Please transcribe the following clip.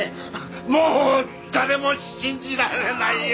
もう誰も信じられないよ！